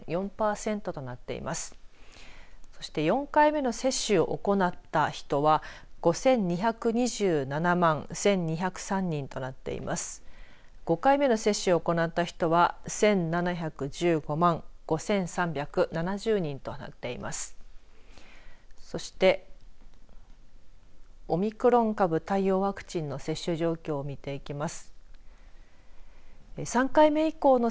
そしてオミクロン株対応ワクチンの接種状況を見ていきます。